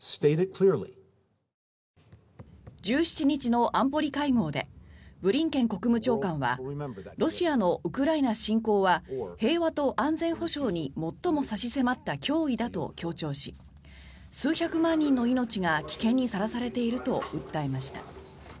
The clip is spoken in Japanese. １７日の安保理会合でブリンケン国務長官はロシアのウクライナ侵攻は平和と安全保障に最も差し迫った脅威だと強調し数百万人の命が危険にさらされていると訴えました。